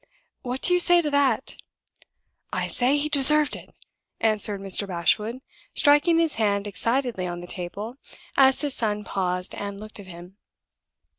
What do you say to that?" "I say he deserved it!" answered Mr. Bashwood, striking his hand excitedly on the table, as his son paused and looked at him.